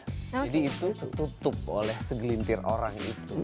jadi itu tertutup oleh segelintir orang itu